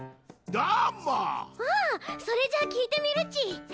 それじゃあきいてみるち。